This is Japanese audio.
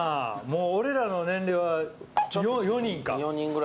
俺らの年齢は４人か。